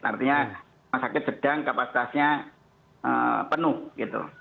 artinya rumah sakit sedang kapasitasnya penuh gitu